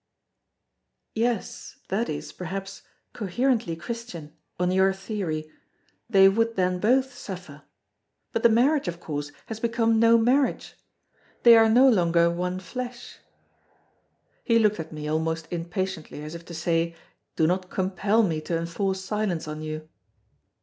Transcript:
"Yes, that is, perhaps, coherently Christian, on your theory: They would then both suffer. But the marriage, of course, has become no marriage. They are no longer one flesh." He looked at me, almost impatiently as if to say: Do not compel me to enforce silence on you!